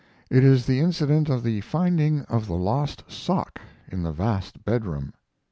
It is the incident of the finding of the lost sock in the vast bedroom.